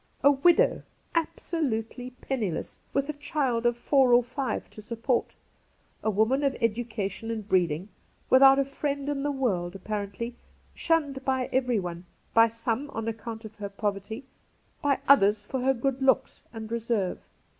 A widow, absolutely penniless, with a child of four or five to support. A woman of education and breeding, without a friend in the world, apparently; shunned by everyone — by some on account of her poverty, by others for her good looks and reserve.